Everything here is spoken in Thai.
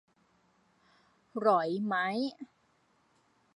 หรอยไหม